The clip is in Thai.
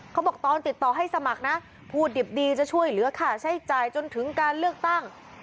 เขาบอกตอนติดต่อให้สมัครนะพูดดิบดีจะช่วยเหลือค่าใช้จ่ายจนถึงการเลือกตั้ง